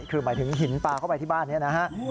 คือหมายถึงหินปลาเข้าไปที่บ้านนี้นะฮะ